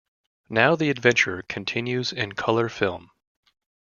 Now the adventure continues in colour film.